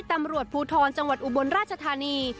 ตำรวจภูทรจังหวัดอุบลราชธานี